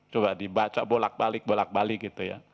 coba dibaca bolak balik bolak balik gitu ya